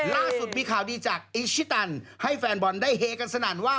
ล่าสุดมีข่าวดีจากอิชิตันให้แฟนบอลได้เฮกันสนั่นว่า